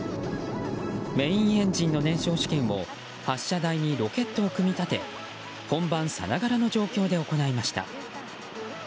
メインエンジンの燃焼試験を発射台にロケットを組み立て本番さながらの状況で行いました。